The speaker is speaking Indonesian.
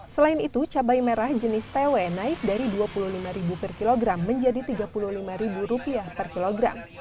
selain itu cabai merah jenis tw naik dari rp dua puluh lima per kilogram menjadi rp tiga puluh lima per kilogram